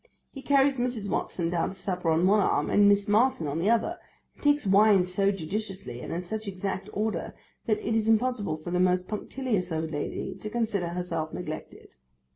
He carries Mrs. Watson down to supper on one arm, and Miss Martin on the other, and takes wine so judiciously, and in such exact order, that it is impossible for the most punctilious old lady to consider herself neglected.